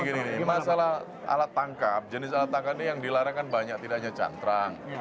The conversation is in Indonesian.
begini nih masalah alat tangkap jenis alat tangkap ini yang dilarang kan banyak tidak hanya cantrang